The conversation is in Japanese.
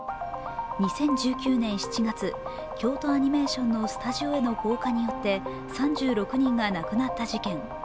２０１９年７月、京都アニメーションのスタジオへの放火によって３６人が亡くなった事件。